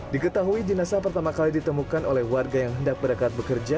diketahui jenazah pertama kali ditemukan oleh warga yang hendak berangkat bekerja